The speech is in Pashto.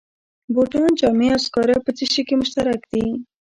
بوټان، جامې او سکاره په څه شي کې مشترک دي